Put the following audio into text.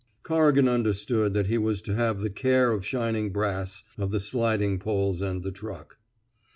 " Corrigan understood that he was to have the care of shining brass of the sliding poles and the truck.